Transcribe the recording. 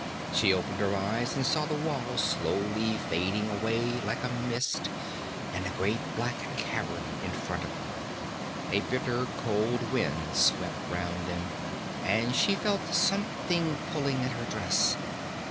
She opened her eyes, and saw the wall slowly fading away like a mist, and a great black cavern in front of her. A bitter cold wind swept round them, and she felt something pulling at her dress.